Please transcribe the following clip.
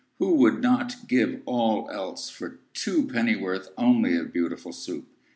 Who would not give all else for two Pennyworth only of Beautiful Soup?